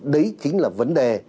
đấy chính là vấn đề